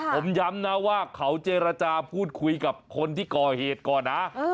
ผมย้ำนะว่าเขาเจรจาพูดคุยกับคนที่ก่อเหตุก่อนนะ